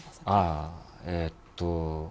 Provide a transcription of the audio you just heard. ああえっと。